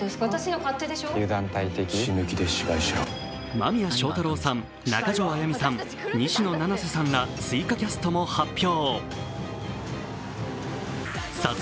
間宮祥太朗さん、中条あやみさん、西野七瀬さんら追加キャストも発表。